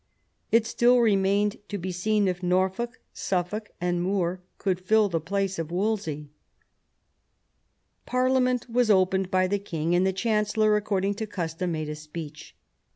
It still remained to be seen if Norfolk, Suffolk, and More could fill the place of Wolsey. Parliament was opened by the king; and the chancellor, according to custom, made a speech.